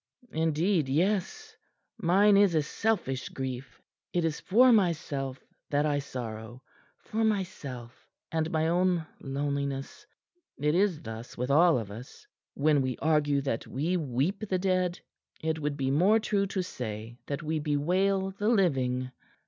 "Indeed, yes. Mine is a selfish grief. It is for myself that I sorrow, for myself and my own loneliness. It is thus with all of us. When we argue that we weep the dead, it would be more true to say that we bewail the living.